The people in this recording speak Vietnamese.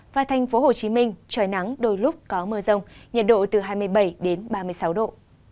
và thành phố hồ chí minh trời nắng đôi lúc có mưa rông nhiệt độ từ hai mươi bảy đến ba mươi sáu độ